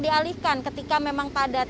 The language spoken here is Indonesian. dialihkan ketika memang padat